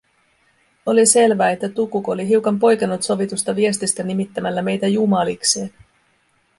Oli selvää, että Tukuk oli hiukan poikennut sovitusta viestistä nimittämällä meitä jumalikseen.